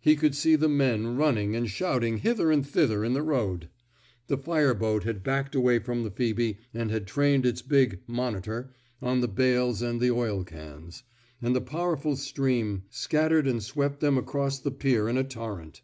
He could see the men running and shout ing hither and thither in the road. The fire boat had backed away from the Phoebe and had trained its big monitor *' on the bales and the oil cans; and the powerful stream scattered and swept them across the pier in a torrent.